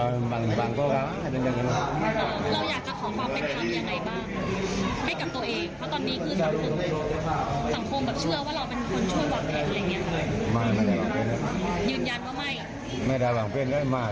ยืนยันว่าไม่ไม่ดีฝั่งแปลว่ามาเทิกกามาก